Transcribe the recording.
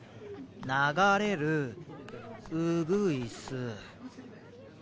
「ながれる」「うぐいす」。